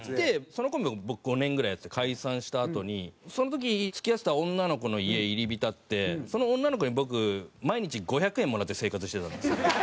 そのコンビも僕５年ぐらいやって解散したあとにその時付き合ってた女の子の家入り浸ってその女の子に僕毎日５００円もらって生活してたんですよ。